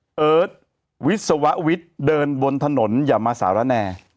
เอิร์ทวิศววิทย์เดินบนถนนอย่ามาสารแน